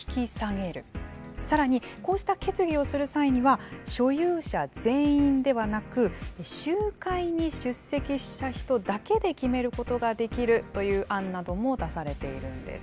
更にこうした決議をする際には所有者全員ではなく集会に出席した人だけで決めることができるという案なども出されているんです。